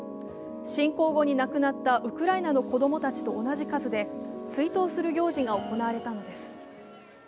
侵攻後に亡くなったウクライナの子供たちと同じ数で追悼する行事が行われたのです。